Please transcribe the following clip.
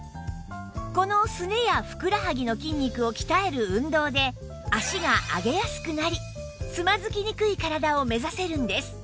このすねやふくらはぎの筋肉を鍛える運動で脚が上げやすくなりつまずきにくい体を目指せるんです